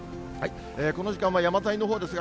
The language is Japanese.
この時間は山沿いのほうですが、